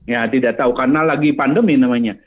ya tidak tahu karena lagi pandemi namanya